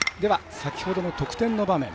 先ほどの得点の場面。